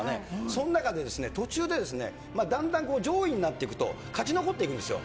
その中で、途中で、だんだんこう、上位になっていくと、勝ち残っていくんですよ。